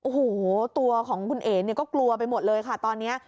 โอ้โหตัวของคุณเอ๋เนี่ยก็กลัวไปหมดเลยค่ะตอนนี้